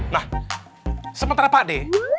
nah sementara pak ade